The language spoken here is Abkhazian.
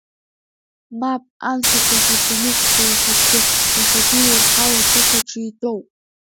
Мап, анкьатәи амаӡаныҟәгаҩ ухаҵкы, иахьагьы еиҳау аҭыԥ аҿы итәоу!